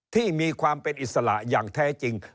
ที่มีความเป็นอิสระอย่างแท้จริง